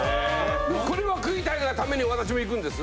これを食いたいがために私も行くんです。